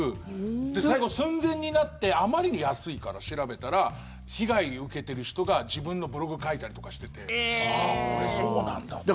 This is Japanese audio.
で、最後、寸前になってあまりに安いから調べたら被害を受けている人が自分のブログ書いたりとかしててこれ、そうなんだって。